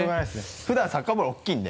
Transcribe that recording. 普段サッカーボール大きいんで。